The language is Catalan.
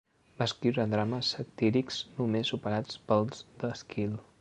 Va escriure drames satírics només superats pels d'Èsquil.